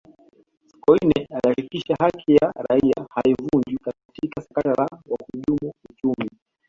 sokoine alihakikisha haki ya raia haivunjwi katika sakata la wahujumu uchumi